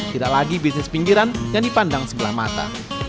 tidak lagi bisnis pinggiran yang dipandang sebelah mata